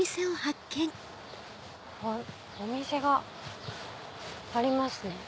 お店がありますね。